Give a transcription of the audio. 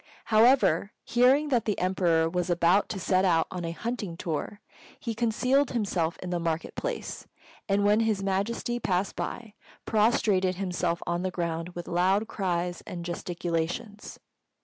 However, hearing that the Emperor was about to set out on a hunting tour, he concealed himself in the market place, and when His Majesty passed by, prostrated himself on the ground with loud cries and gesticulations.